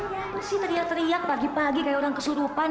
pak apa sih teriak teriak pagi pagi kayak orang kesurupan